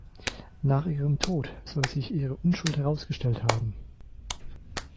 Nach ihrem Tod soll sich ihre Unschuld herausgestellt haben.